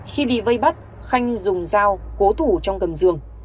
khi bị vây bắt khanh dùng dao cố thủ trong cầm giường